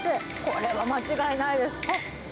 これは間違いないです。